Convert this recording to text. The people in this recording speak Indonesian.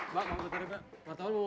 mbak mbak mbak mbak